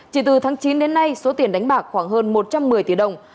chỉ từ tháng chín đến nay số tiền đánh bạc khoảng hơn một trăm một mươi tỷ đồng